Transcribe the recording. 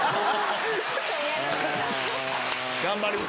頑張る！